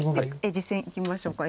実戦いきましょうか。